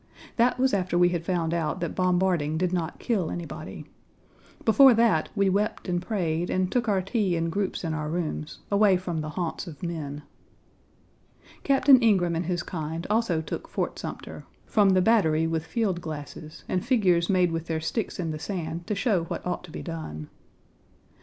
That was after we had found out that bombarding did not kill anybody. Before that, we wept and prayed and took our tea in groups in our rooms, away from the haunts of men. Captain Ingraham and his kind also took Fort Sumter from the Battery with field glasses and figures made with their sticks in the sand to show what ought to be done.